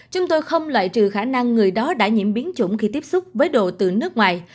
chúng tôi không loại trừ khả năng người đó đã nhiễm biến chủng khi tiếp xúc với đồ từ nước ngoài